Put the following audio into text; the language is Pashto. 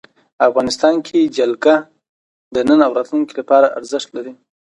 افغانستان کې جلګه د نن او راتلونکي لپاره ارزښت لري.